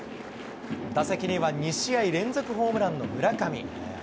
打席には２試合連続ホームランの村上。